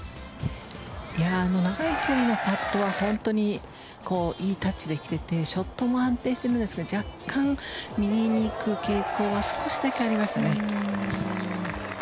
長い距離のパットは本当にいいタッチできててショットも安定してるんですが若干、右に行く傾向が少しだけあります。